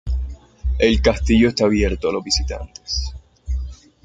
El castillo está abierto a los visitantes.